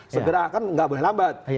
segera kan nggak boleh lambat